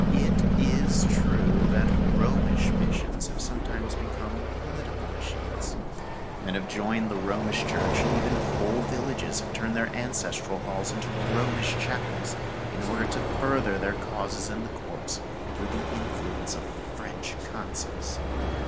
It is true that Romish missions have sometimes become political machines. Men have joined the Romish Church, and even whole villages have turned their ancestral halls into Romish[Pg 170] chapels in order to further their causes in the courts through the influence of French consuls.